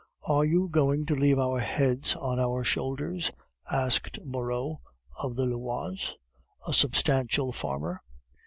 "Are you going to leave our heads on our shoulders?" asked Moreau (of the Oise), a substantial farmer.